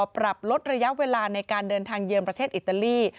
ปรับลดระยะเวลาในการเดินทางเยือนประเทศอิตาลี